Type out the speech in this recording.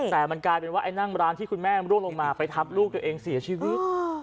แต่มันกลายเป็นว่าไอ้นั่งร้านที่คุณแม่ร่วงลงมาไปทับลูกตัวเองเสียชีวิต